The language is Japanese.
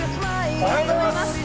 おはようございます。